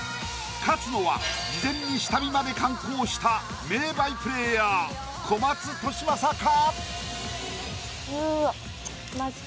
勝つのは事前に下見まで敢行した名バイプレーヤー小松利昌か？